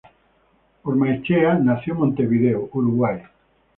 Ormaechea Nació en Montevideo, Uruguay.